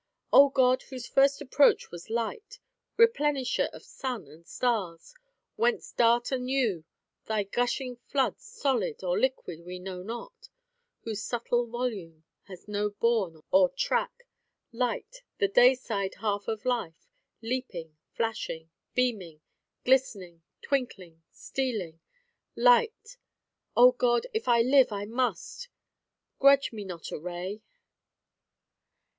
Oh God, whose first approach was light, replenisher of sun and stars, whence dart anew thy gushing floods (solid or liquid we know not), whose subtle volume has no bourne or track; light, the dayside half of life, leaping, flashing, beaming; glistening, twinkling, stealing; light! Oh God, if live I must, grudge me not a ray!